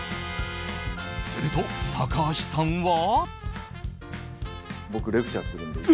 すると、高橋さんは。